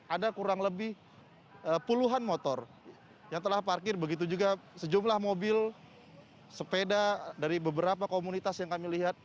ada kurang lebih puluhan motor yang telah parkir begitu juga sejumlah mobil sepeda dari beberapa komunitas yang kami lihat